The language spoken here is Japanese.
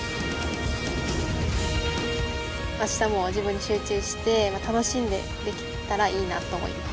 ◆あしたも自分に集中して、楽しんでできたらいいなと思います。